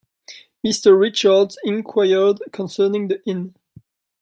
Mr. Richards inquired concerning the inn.